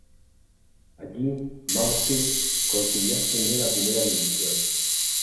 Allí Banfield consiguió ascender a Primera División.